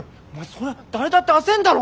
そりゃ誰だって焦んだろお前。